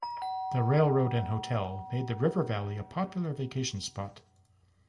The railroad and hotel made the river valley a popular vacation spot.